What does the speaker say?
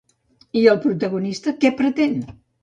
I el protagonista què pretén?